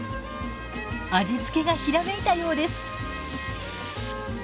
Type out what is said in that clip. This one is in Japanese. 味付けがひらめいたようです。